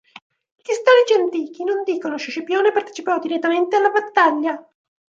Gli storici antichi non dicono se Scipione partecipò direttamente alla battaglia.